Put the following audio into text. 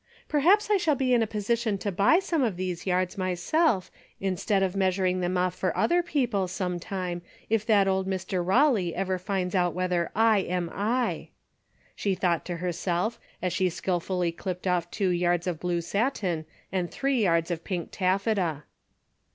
" Perhaps I shall be in a posi tion to buy some of these yards myself, instead of measuring them off for other people, some time, if that old Mr. Eawley ever finds out whether /am /," she thought to herself as she skillfully clipped off two yards of blue satin and three yards of pink taffeta.